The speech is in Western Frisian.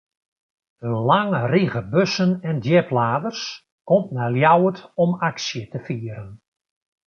In lange rige bussen en djipladers komt nei Ljouwert om aksje te fieren.